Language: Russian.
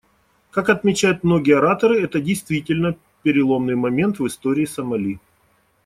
Как отмечают многие ораторы, это действительно переломный момент в истории Сомали.